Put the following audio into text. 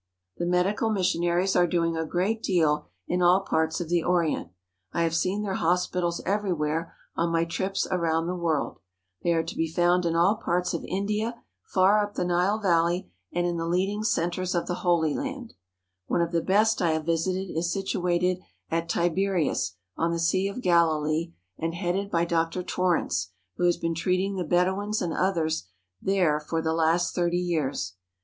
The medical missionaries are doing a great deal in all parts of the Orient. I have seen their hospitals every where on my trips around the world. They are to be found in all parts of India, far up the Nile Valley, and in 259 THE HOLY LAND AND SYRIA the leading centres of the Holy Land. One of the best I have visited is situated at Tiberias, on the Sea of Galilee, and headed by Dr. Torrence, who has been treating the Bedouins and others there for the last thirty years.